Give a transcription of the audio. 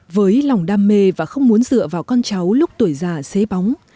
với lòng đam mê và không muốn dựa vào con cháu lúc tuổi già xế bóng